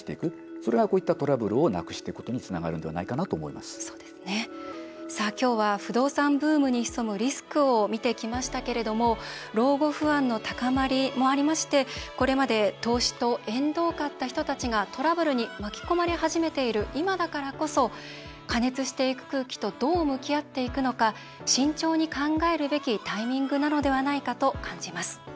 それが、こういったトラブルをなくしていくことにつながるんではないかなと今日は不動産ブームに潜むリスクを見てきましたけれども老後不安の高まりもありましてこれまで投資と縁遠かった人たちがトラブルに巻き込まれ始めている今だからこそ過熱していく空気とどう向き合っていくのか慎重に考えるべきタイミングなのではないかと感じます。